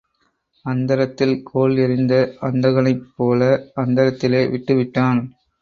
அந்தரத்தில் கோல் எறிந்த அந்தகனைப் போல, அந்தரத்திலே விட்டு விட்டான்.